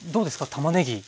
たまねぎ。